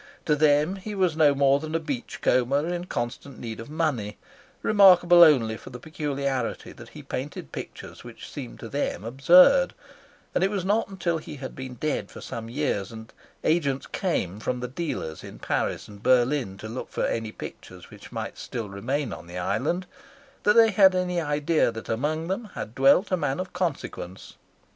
To them he was no more than a beach comber in constant need of money, remarkable only for the peculiarity that he painted pictures which seemed to them absurd; and it was not till he had been dead for some years and agents came from the dealers in Paris and Berlin to look for any pictures which might still remain on the island, that they had any idea that among them had dwelt a man of consequence.